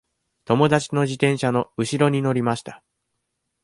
友達の自転車のうしろに乗りました。